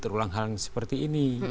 jadi ini adalah hal yang perlu dicermati